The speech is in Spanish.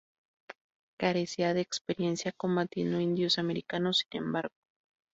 Carecía de experiencia combatiendo indios americanos, sin embargo.